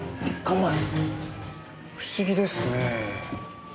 不思議ですねえ。